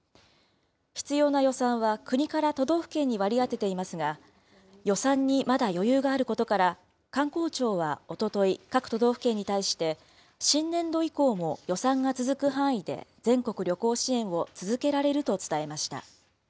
必要な予算は国から都道府県に割り当てていますが、予算にまだ余裕があることから、観光庁はおととい、各都道府県に対して、新年度以降も予算が続く範囲で、全国旅行支援を続けられると伝えました。